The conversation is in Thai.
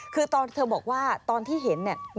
คือตอนเธอบอกว่าตอนที่เห็นเนี่ย